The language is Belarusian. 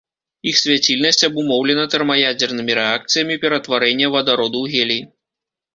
Іх свяцільнасць абумоўлена тэрмаядзернымі рэакцыямі ператварэння вадароду ў гелій.